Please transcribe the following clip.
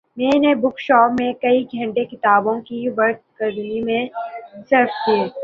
میں نے book shop میں کئی گھنٹے کتابوں کی ورق گردانی میں صرف کئے